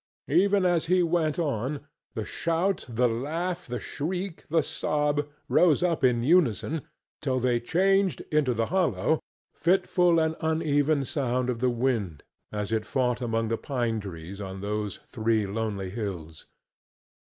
Even as he went on, the shout, the laugh, the shriek, the sob, rose up in unison, till they changed into the hollow, fitful and uneven sound of the wind as it fought among the pine trees on those three lonely hills.